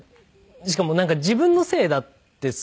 しかもなんか自分のせいだってすごく。